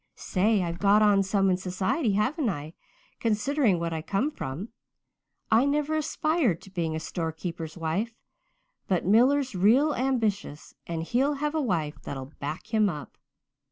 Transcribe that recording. Say, I've got on some in society, haven't I, considering what I come from? I never aspired to being a storekeeper's wife. But Miller's real ambitious and he'll have a wife that'll back him up.